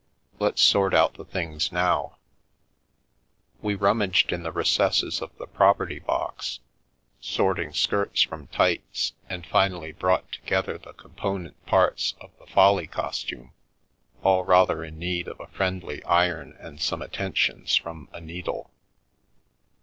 Let's sort out the things now/ 9 We rummaged in the recesses of the property box, sorting skirts from tights, and finally brought together the component parts of the Folly costume, all rather in need of the friendly iron and some attentions from a needle.